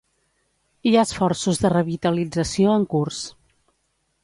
Hi ha esforços de revitalització en curs.